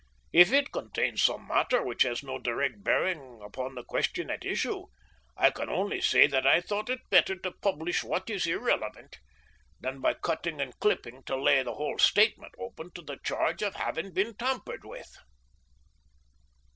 If it contains some matter which has no direct bearing upon the question at issue, I can only say that I thought it better to publish what is irrelevant than by cutting and clipping to lay the whole statement open to the charge of having been tampered with.